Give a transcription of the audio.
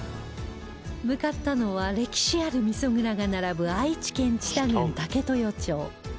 向かったのは歴史ある味蔵が並ぶ愛知県知多郡武豊町